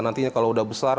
nantinya kalau udah besar